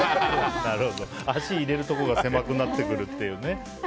足入れるところが狭くなってくるっていう。